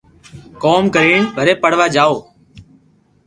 ڪوم ڪرين وري پڙوا جاتو